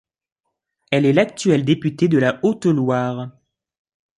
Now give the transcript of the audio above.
Elle est l'actuelle députée de la de la Haute-Loire.